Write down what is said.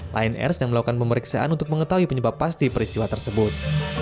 lion air sedang melakukan pemeriksaan untuk mengetahui penyebab pasti peristiwa tersebut